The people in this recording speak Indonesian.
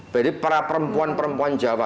jadi para perempuan perempuan java